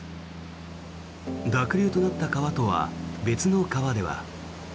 濁流となった川とは別の川では。